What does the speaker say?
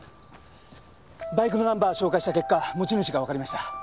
バイクのナンバーを照会した結果持ち主がわかりました。